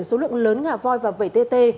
số lượng lớn ngà voi và vẩy tê tê